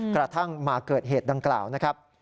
กระทั่งมาเกิดเหตุดังกล่าวนะครับ